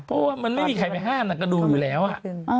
เพราะว่ามันไม่มีใครไปห้ามก็ดูอยู่แล้วอ่ะ